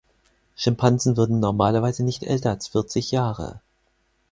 Schimpansen würden normalerweise nicht älter als vierzig Jahre.